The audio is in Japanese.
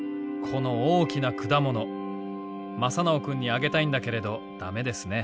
「この大きなくだもの正直くんにあげたいんだけれどだめですね。